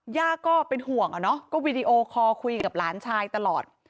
ย่าก็เป็นห่วงวิดีโอคอล์คุยกับหลานชายตลอด